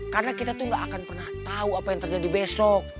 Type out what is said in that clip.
karena kita tuh nggak akan pernah tahu apa yang terjadi besok